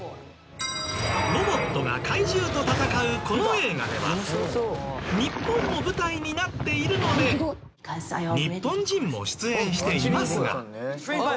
ロボットが怪獣と戦うこの映画では日本も舞台になっているので日本人も出演していますが。